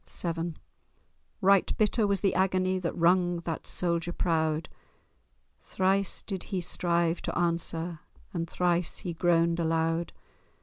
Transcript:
VII Right bitter was the agony That wrung that soldier proud; Thrice did he strive to answer, And thrice he groaned aloud.